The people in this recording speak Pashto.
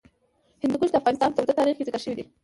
هندوکش د افغانستان په اوږده تاریخ کې ذکر شوی دی.